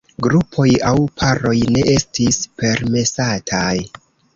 Grupoj aŭ paroj ne estis permesataj.